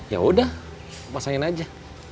yaudah pasangin aja